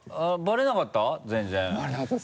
バレなかったです。